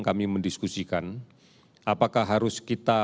kami mendiskusikan apakah harus kita